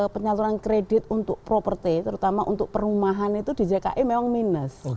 penyaluran kredit untuk properti terutama untuk perumahan itu di jki memang minus